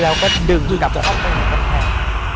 แล้วก็ดึงอยู่กลับจะออกไปเหมือนกันแหละ